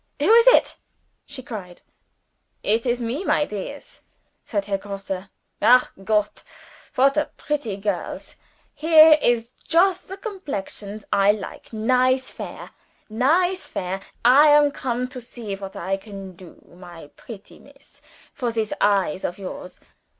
"Who is it?" she cried. "It is me, my dears," said Herr Grosse. "Ach, Gott! what a pretty girls! Here is jost the complexions I like nice fair! nice fair! I am come to see what I can do, my pretty Miss, for this eyes of yours.